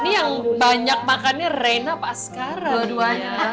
ini yang banyak makannya reina pas sekarang ya